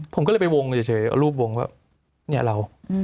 ผมก็เลยไปวงเฉยเอารูปวงว่าเนี่ยเรา